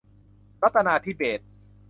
รัตนาธิเบศร์